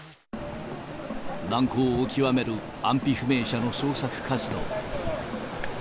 難航を極める安否不明者の捜索活動。